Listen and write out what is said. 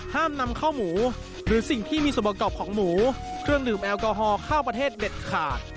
ห้ามนำข้าวหมูหรือสิ่งที่มีส่วนประกอบของหมูเครื่องดื่มแอลกอฮอลเข้าประเทศเด็ดขาด